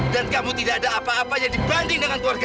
dan kamu tidak ada apa apa yang dibandingkan dengan keluarga saya